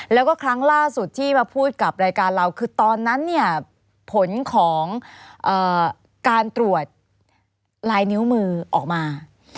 แล้วก็ครั้งล่าสุดที่มาพูดกับรายการเราคือตอนนั้นเนี่ยผลของการตรวจลายนิ้วมือออกมา